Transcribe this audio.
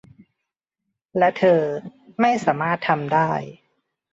และเธอไม่สามารถทำได้